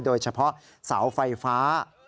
โดยเฉพาะเสาไฟฟ้า